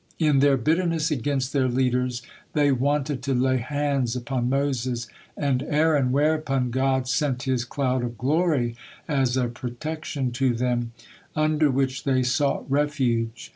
In their bitterness against their leaders they wanted to lay hands upon Moses and Aaron, whereupon God sent His cloud of glory as a protection to them, under which they sought refuge.